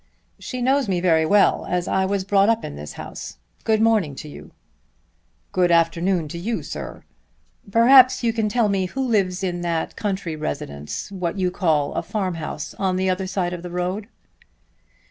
"She knows me very well as I was brought up in this house. Good morning to you." "Good afternoon to you, sir. Perhaps you can tell me who lives in that country residence, what you call a farm house, on the other side of the road."